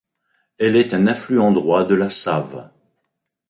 Elle est un affluent droit de la Save.